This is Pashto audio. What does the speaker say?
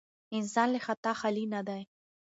انسان له خطا خالي نه دی.